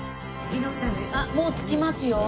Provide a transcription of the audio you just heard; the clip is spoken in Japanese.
あっもう着きますよ。